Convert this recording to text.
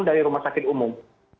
dari rumah sakit umum